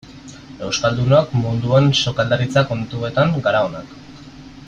Euskaldunok munduan sukaldaritza kontuetan gara onak.